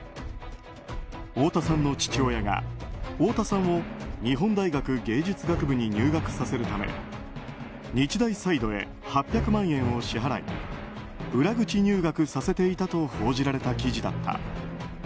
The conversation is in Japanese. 太田さんの父親が、太田さんを日本大学芸術学部に入学させるため日大サイドへ８００万円を支払い裏口入学させていたと報じられた記事だった。